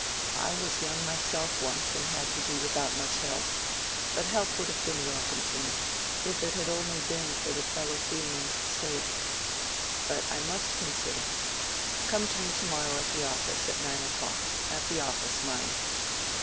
I was young myself once and had to do without much help; but help would have been welcome to me, if it had been only for the fellow feeling's sake. But I must consider. Come to me to morrow at the office, at nine o'clock. At the office, mind."